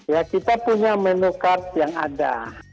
ya kita punya menu card yang ada